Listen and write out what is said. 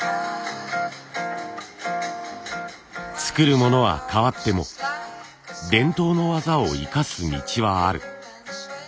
作るものは変わっても伝統の技を生かす道はある。